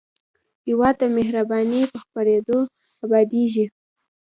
هېواد د مهربانۍ په خپرېدو ابادېږي.